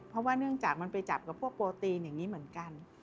เพราะว่าเนื่องจากมันไปจับกับพวกโปรตีนอย่างนี้เหมือนกัน